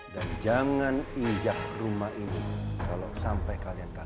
dan jangan injak rumah ini kalau sampai kalian gagal